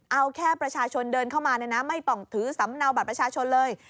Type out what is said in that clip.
เอาแค่ประชาชนเดินเข้ามาเนี่ยนะไม่ต้องถือสำเนาบัตรประชาชนเลย